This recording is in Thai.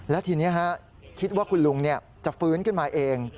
แล้วทีนี้คิดว่าคุณลุงจะฟื้นขึ้นมาเอง